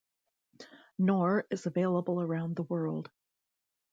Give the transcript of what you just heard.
Knorr is available around the world.